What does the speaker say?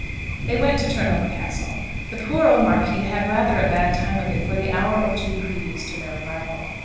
They went to Turnover Castle. The poor old Marquis had rather a bad time of it for the hour or two previous to their arrival.